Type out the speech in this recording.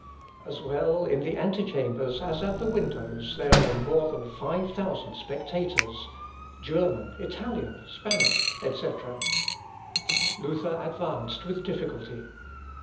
As well in the antechambers as at the windows there were more than five thousand spectators German, Italian, Spanish, etc. Luther advanced with difficulty.